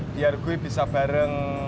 biar gua bisa bareng